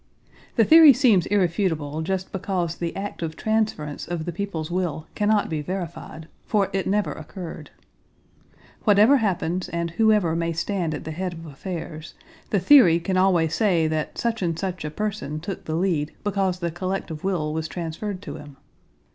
The theory seems irrefutable just because the act of transference of the people's will cannot be verified, for it never occurred. Whatever happens and whoever may stand at the head of affairs, the theory can always say that such and such a person took the lead because the collective will was transferred to him.